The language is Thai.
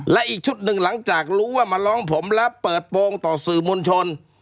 และอีกชุดหนึ่งหลังจากรู้ว่ามาร้องผมและเปิดโปรงต่อสื่อมวลชน